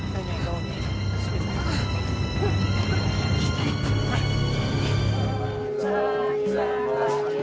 sekarang kita pergi